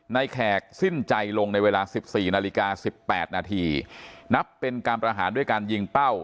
ในแขกสิ้นใจลงในเวลา๑๔นาฬิกา๑๘นาทีนับเป็นการประหารด้วยการยิงเป้า